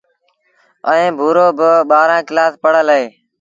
ائيٚݩ ڀورو با ٻآهرآݩ ڪلآس پڙهل اهي۔